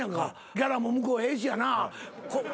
ギャラも向こうええしやな。